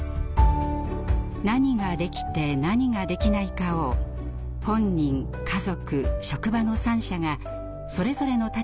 「何ができて何ができないか」を本人・家族・職場の三者がそれぞれの立場で確認します。